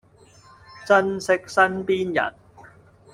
珍惜身邊人